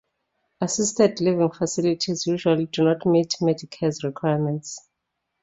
Assisted living facilities usually do not meet Medicare's requirements.